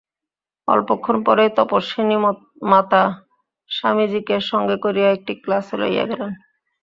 অল্পক্ষণ পরেই তপস্বিনী মাতা স্বামীজীকে সঙ্গে করিয়া একটি ক্লাসে লইয়া গেলেন।